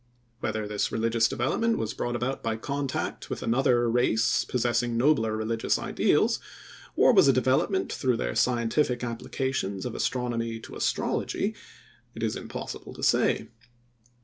Whether this religious development was brought about by contact with another race possessing nobler religious ideals, or was a development through their scientific applications of astronomy to astrology, it is impossible to say.